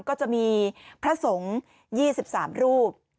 ก็จะมีพระสงฆ์๒๓รูป